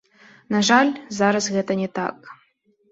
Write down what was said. На жаль, зараз гэта не так.